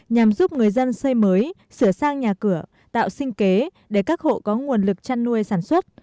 nhằm giúp người dân xây mới sửa sang nhà cửa tạo sinh kế để các hộ có nguồn lực chăn nuôi sản xuất